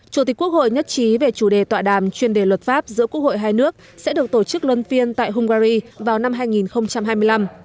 chủ tịch quốc hội nhất trí về chủ đề tọa đàm chuyên đề luật pháp giữa quốc hội hai nước sẽ được tổ chức luân phiên tại hungary vào năm hai nghìn hai mươi năm